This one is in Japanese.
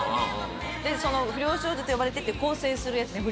でその『不良少女とよばれて』って更正するやつね不良が。